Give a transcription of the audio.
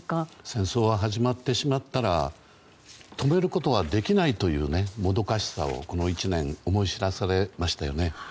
戦争が始まってしまったら止めることはできないというもどかしさをこの１年思い知らされましたよね。